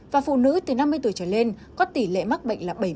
và phụ nữ từ năm mươi tuổi trở lên có tỷ lệ mắc bệnh là bảy mươi